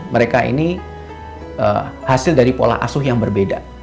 mereka ini hasil dari pola asuh yang berbeda